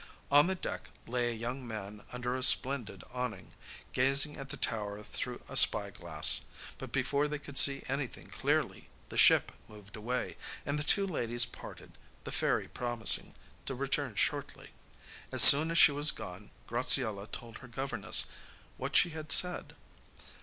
On the deck lay a young man under a splendid awning, gazing at the tower through a spy glass; but before they could see anything clearly the ship moved away, and the two ladies parted, the fairy promising to return shortly. As soon as she was gone Graziella told her governess what she had said.